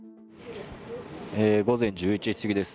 午前１１時過ぎです。